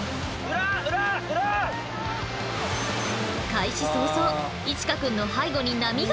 開始早々一奏くんの背後に波が。